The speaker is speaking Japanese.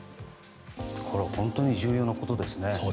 本当に重要なことですね。